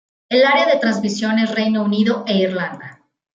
El área de transmisión es Reino Unido e Irlanda.